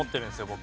僕。